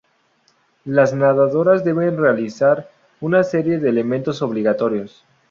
Las nadadoras deben realizar una serie de elementos obligatorios.